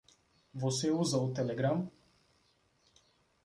Você usa o Telegram?